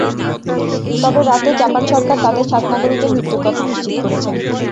তবে রাতে জাপান সরকার তাদের সাত নাগরিকের মৃত্যুর কথা নিশ্চিত করেছে।